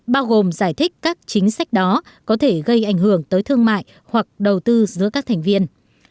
bao gồm giải thích các chính sách đó có thể gây ảnh hưởng tới thương mại hoặc đầu tư giữa các thành viên